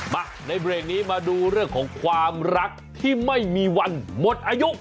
มาในเบรกนี้มาดูเรื่องของความรักที่ไม่มีวันหมดอายุ